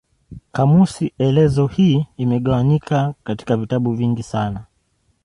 Kamusi elezo hii imegawanyika katika vitabu vingi sana.